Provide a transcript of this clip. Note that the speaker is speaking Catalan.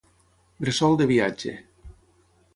Bressol de viatge.